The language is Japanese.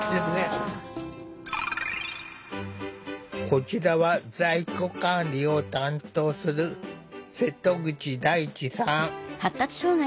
こちらは在庫管理を担当する瀬戸口大地さん。